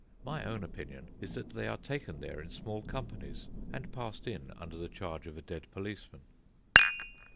My own opinion is that they are taken there in small companies, and passed in under the charge of a dead policeman.